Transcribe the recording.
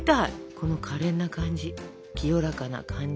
この可憐な感じ清らかな感じ。